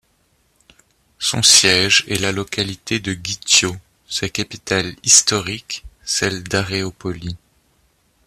Son siège est la localité de Gythio, sa capitale historique celle d'Aréopoli.